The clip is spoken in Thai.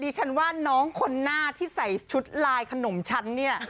ฉันว่าน้องคนหน้าที่ใส่ชุดลายขนมฉันเนี่ย